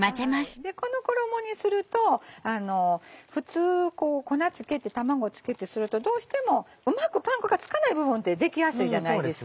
この衣にすると普通粉付けて卵付けてするとどうしてもうまくパン粉が付かない部分ってできやすいじゃないですか。